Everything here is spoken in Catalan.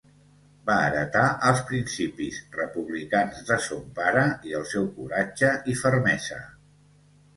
Va heretar els principis republicans de son pare i el seu coratge i fermesa.